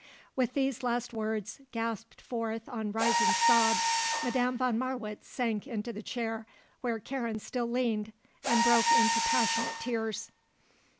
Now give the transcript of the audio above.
With these last words, gasped forth on rising sobs, Madame von Marwitz sank into the chair where Karen still leaned and broke into passionate tears.